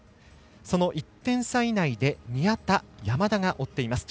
その１点差以内で宮田、山田が追っています。